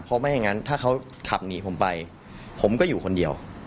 เพราะไม่อย่างนั้นถ้าเขาขับหนีผมไปผมก็อยู่คนเดียว